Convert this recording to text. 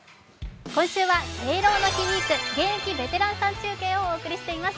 今週は敬老の日ウイーク現役ベテランさん中継をお送りしています。